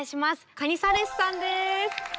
カニサレスさんです。